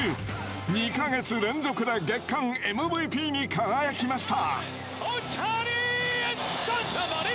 ２か月連続で月間ＭＶＰに輝きました。